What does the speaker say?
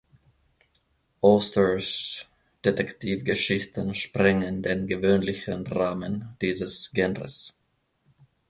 Austers Detektivgeschichten sprengen den gewöhnlichen Rahmen dieses Genres.